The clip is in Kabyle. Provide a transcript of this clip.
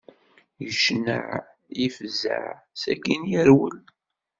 Icneɛ, ifẓeɛ sakin yerwel.